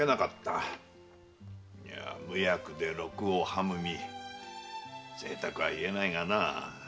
無役で禄を食む身贅沢は言えないがな。